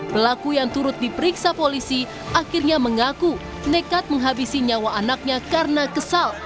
pelaku yang turut diperiksa polisi akhirnya mengaku nekat menghabisi nyawa anaknya karena kesal